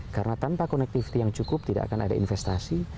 karena tanpa connectivity yang cukup tidak akan ada investasi